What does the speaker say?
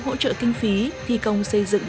hỗ trợ kinh phí thi công xây dựng